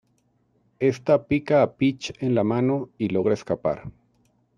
Esta pica a Pitch en la mano, y logra escapar.